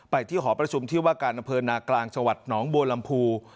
ที่หอประชุมที่ว่าการอำเภอนากลางจังหวัดหนองบัวลำพู